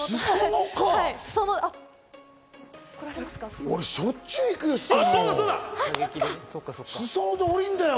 裾野か、俺しょっちゅう行くよ。